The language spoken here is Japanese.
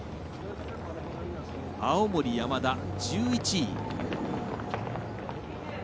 青森山田、１１位。